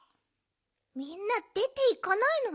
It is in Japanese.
みんなでていかないの？